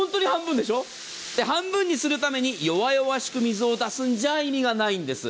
半分にするために弱々しく水を出すんじゃ意味がないんです。